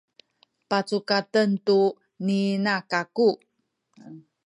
pacukaten tu ni ina kaku